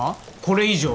これ以上？